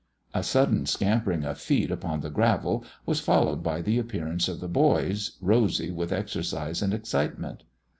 A sudden scampering of feet upon the gravel was followed by the appearance of the boys, rosy with exercise and excitement.